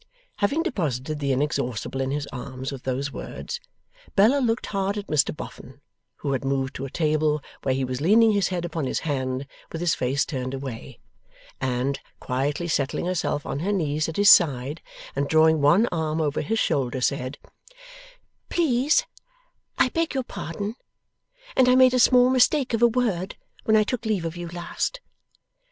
Having deposited the Inexhaustible in his arms with those words, Bella looked hard at Mr Boffin, who had moved to a table where he was leaning his head upon his hand with his face turned away, and, quietly settling herself on her knees at his side, and drawing one arm over his shoulder, said: 'Please I beg your pardon, and I made a small mistake of a word when I took leave of you last.